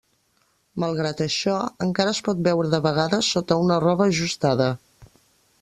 Malgrat això, encara es pot veure de vegades sota una roba ajustada.